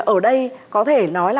ở đây có thể nói là